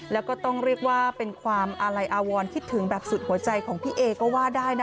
แล้วก็ต้องเรียกว่าเป็นความอาลัยอาวรคิดถึงแบบสุดหัวใจของพี่เอก็ว่าได้นะ